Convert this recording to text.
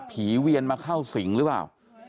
เวียนมาเข้าสิงหรือเปล่า